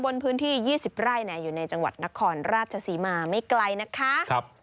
บนพื้นที่๒๐ไร่อยู่ในจังหวัดนครราชศรีมาไม่ไกลนะคะ